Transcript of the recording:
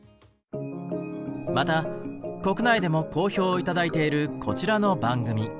また国内でも好評を頂いているこちらの番組。